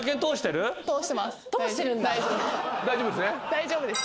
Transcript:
大丈夫です。